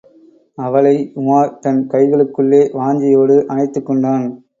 அவளை உமார் தன் கைகளுக்குள்ளே வாஞ்சையோடு அணைத்துக் கொண்டான்.